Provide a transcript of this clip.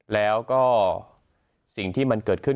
แล้วก็สิ่งที่มันเกิดขึ้น